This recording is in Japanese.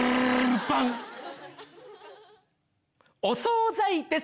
お総菜です。